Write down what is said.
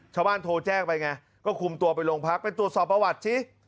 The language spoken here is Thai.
ชาวบ้านโทรแจ้งไปไงก็คุมตัวไปโรงพักไปตรวจสอบประวัติสิ